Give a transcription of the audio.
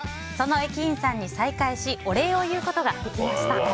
その駅員さんに再会しお礼を言うことができました。